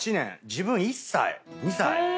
自分１歳２歳。